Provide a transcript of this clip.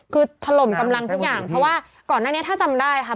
คือถล่มกำลังทุกอย่างเพราะว่าก่อนหน้านี้ถ้าจำได้ค่ะ